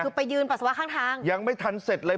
คือไปยืนปัสสาวะข้างทางยังไม่ทันเสร็จเลย